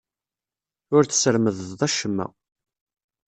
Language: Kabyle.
Ur tesremdeḍ acemma.